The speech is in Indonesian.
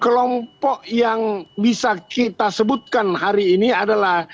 kelompok yang bisa kita sebutkan hari ini adalah